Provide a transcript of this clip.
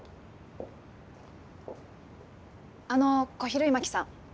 あの小比類巻さん。